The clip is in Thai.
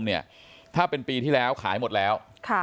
เนี่ยถ้าเป็นปีที่แล้วขายหมดแล้ว